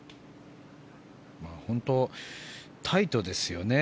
本当にタイトですよね。